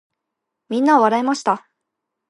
皆は笑いました。